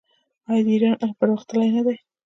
آیا د ایران علم پرمختللی نه دی؟